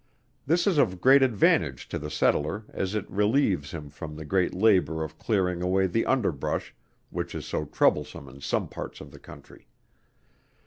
This is of great advantage to the settler, as it relieves him from the great labor of clearing away the under brush, which is so troublesome in some parts of the country.